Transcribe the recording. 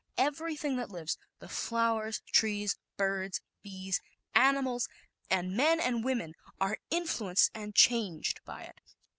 Every thing that lives the flowers, trees, birds, bees, animals, and men and women are influenced and changed by it.